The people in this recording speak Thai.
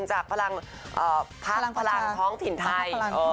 จากพักพลังท้องถิ่นไทย